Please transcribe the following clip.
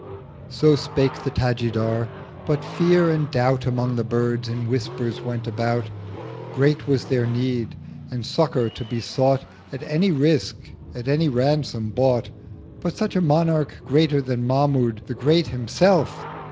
So spake the Tajidar: but Fear and Doubt Among the Birds in Whispers went about: Great was their Need: and Succour to be sought At any Risk: at any Ransom bought: But such a Monarch—greater than Mahmud The Great Himself!